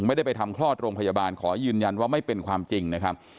ไม่ได้ไปทำคลอดโรงพยาบาลขอยืนยันว่าไม่เป็นความจริงนะครับ